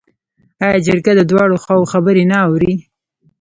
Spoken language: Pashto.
آیا جرګه د دواړو خواوو خبرې نه اوري؟